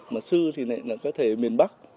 mà sư thì lại là cái thầy ở miền bắc